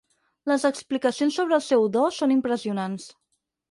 Les explicacions sobre el seu do són impressionants.